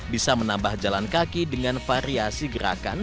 bisa menambah jalan kaki dengan variasi gerakan